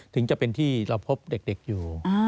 ถึงจะเป็นที่เราพบเด็กอยู่